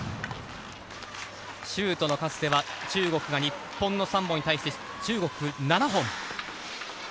シュートの数では日本の３本に対して中国は７本。